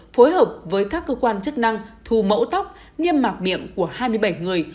phối hợp với các cơ quan chức năng thu mẫu tóc niêm mạc miệng của hai mươi bảy người